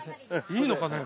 いいのかね？